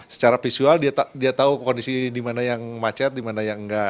secara visual dia tahu kondisi dimana yang macet dimana yang enggak